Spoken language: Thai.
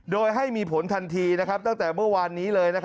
โดยให้มีผลทันทีตั้งแต่เมื่อวานนี้เลย